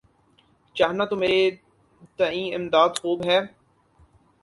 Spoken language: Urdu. چاہنا تو مرے تئیں امداد خوب ہے۔